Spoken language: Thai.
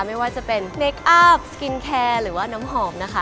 ไม่ว่าจะเป็นเนคอัพสกินแคร์หรือว่าน้ำหอมนะคะ